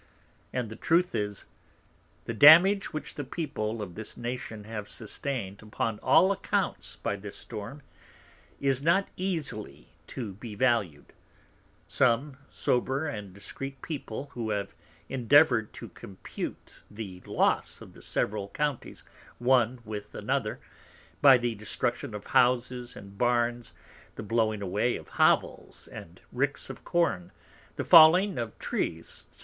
And the Truth is, the Damage which the People of this Nation have sustained upon all Accounts by this Storm, is not easily to be valued: some sober and discreet People, who have endeavoured to compute the Loss of the several Counties one with another, by the Destruction of Houses and Barns, the blowing away of Hovels and Ricks of Corn, the falling of Trees, _&c.